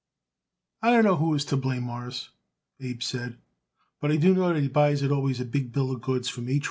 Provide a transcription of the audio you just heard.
"I don't know who was to blame, Mawruss," Abe said, "but I do know that he buys it always a big bill of goods from H.